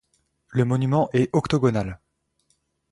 Le monument est octogonal.